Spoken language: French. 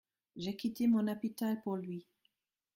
J’ai quitté mon hôpital pour lui.